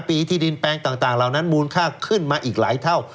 ปีที่ดินแปลงต่างเหล่านั้นมูลค่าขึ้นมาอีกหลายเท่า